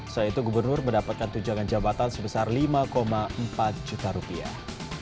setelah itu gubernur mendapatkan tunjangan jabatan sebesar lima empat juta rupiah